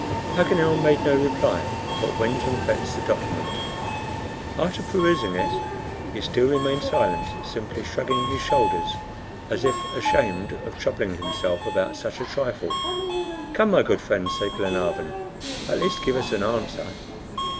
Paganel made no reply, but went and fetched the document. After perusing it, he still remained silent, simply shrugging his shoulders, as if ashamed of troubling himself about such a trifle. "Come, my good friend," said Glenarvan, "at least give us an answer."